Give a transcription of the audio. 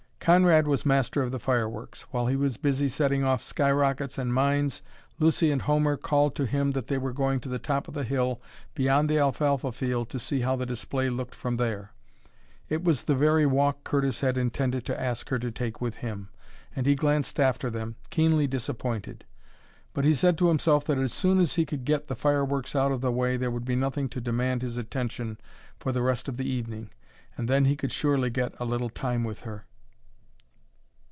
Conrad was master of the fireworks; while he was busy setting off sky rockets and mines Lucy and Homer called to him that they were going to the top of the hill beyond the alfalfa field to see how the display looked from there. It was the very walk Curtis had intended to ask her to take with him, and he glanced after them, keenly disappointed. But he said to himself that as soon as he could get the fireworks out of the way there would be nothing to demand his attention for the rest of the evening, and then he could surely get a little time with her.